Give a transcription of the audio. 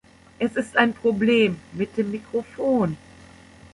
Es ist ein Problem mit dem Mikrophon.